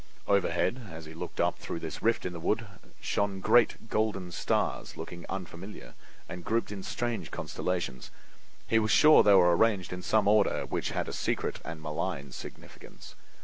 Overhead, as he looked up through this rift in the wood, shone great golden stars looking unfamiliar and grouped in strange constellations. He was sure they were arranged in some order which had a secret and malign significance.